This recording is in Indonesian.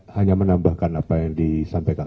hanya menambahkan apa yang disampaikan